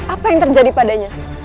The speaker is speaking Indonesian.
apa yang terjadi padanya